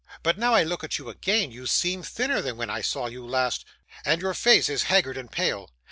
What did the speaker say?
'But, now I look at you again, you seem thinner than when I saw you last, and your face is haggard and pale.